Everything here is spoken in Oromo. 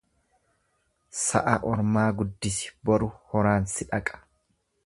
Sa'a ormaa guddisi bori horaan si dhaqa.